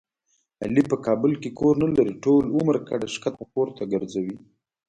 علي په کابل کې خپل کور نه لري. ټول عمر کډه ښکته پورته ګرځوي.